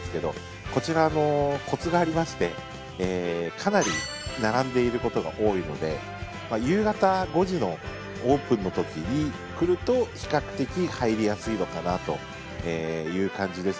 かなり並んでいることが多いので夕方５時のオープンの時に来ると比較的入りやすいのかなという感じです。